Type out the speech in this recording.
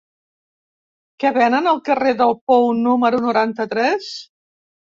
Què venen al carrer del Pou número noranta-tres?